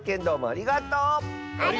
ありがとう！